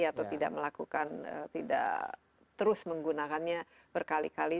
atau tidak melakukan tidak terus menggunakannya berkali kali